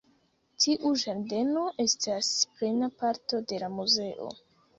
Tiu ĝardeno estas plena parto de la muzeo.